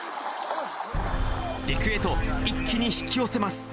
陸へと一気に引き寄せます。